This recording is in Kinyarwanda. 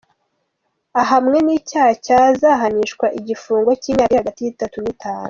Ahamwe n’icyaha yazahanishwa igifungo cy’imyaka iri hagati y’itatu n’itanu.